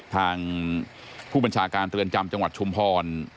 ทางผู้บัญชาการเรือนจำจังหวัดชุมพร